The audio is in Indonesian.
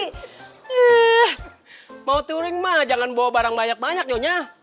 eh mau touring mah jangan bawa barang banyak banyak nyonya